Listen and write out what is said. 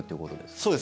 そうです。